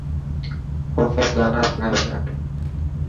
او سب گانا سڻي پيا.